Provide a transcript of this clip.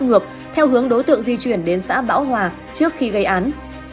ngược theo hướng đối tượng di chuyển đến xã bão hòa trước khi gây án